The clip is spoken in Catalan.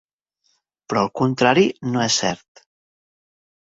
Però el contrari no és cert.